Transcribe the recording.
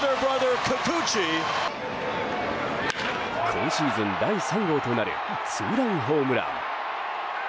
今シーズン第３号となるツーランホームラン！